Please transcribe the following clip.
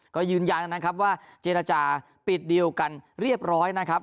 ก็ยืนยันนะครับว่าเจรจาปิดดีลกันเรียบร้อยนะครับ